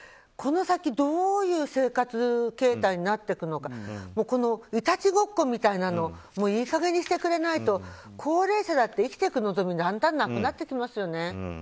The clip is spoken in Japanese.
この先どういう生活形態になっていくのかいたちごっこみたいなのをいい加減にしてくれないと高齢者だって生きていく望みがだんだんなくなってきますよね。